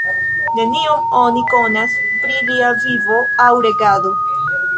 Nenion oni konas pri lia vivo aŭ regado.